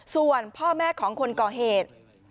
ส่วนพ่อแม่ของคนก่อเหตุ